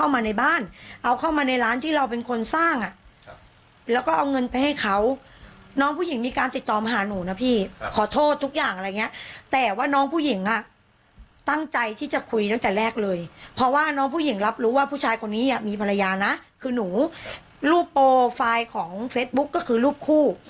มีภรรยาค่ะคือหนูรูปโพลไฟล์ของเฟสบุ๊คก็คือรูปคู่